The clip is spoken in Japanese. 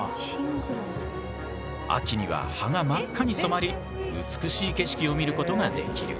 秋には葉が真っ赤に染まり美しい景色を見ることができる。